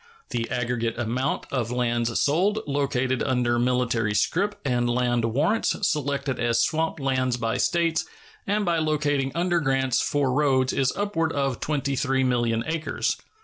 The aggregate amount of lands sold, located under military scrip and land warrants, selected as swamp lands by States, and by locating under grants for roads is upward of 23,000,000 acres.